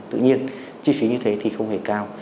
tự nhiên chi phí như thế thì không hề cao